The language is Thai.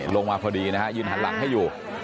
ลงมาพอดีนะฮะยืนหันหลังให้อยู่